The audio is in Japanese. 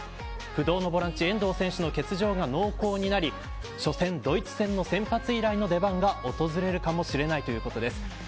不動のボランチ遠藤選手の欠場が濃厚になり初戦ドイツ戦の先発以来の出番が訪れるかもしれないということです。